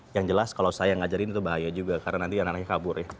yang jelas kalau saya ngajarin itu bahaya juga karena nanti anak anaknya kabur ya